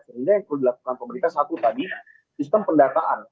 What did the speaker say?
sehingga yang perlu dilakukan pemerintah satu tadi sistem pendataan